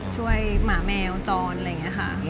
ช่วยหมาแมวจอนอะไรเงี้ยค่ะ